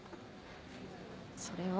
それは。